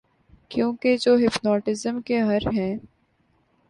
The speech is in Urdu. کیونکہ جو ہپناٹزم کے ہر ہیں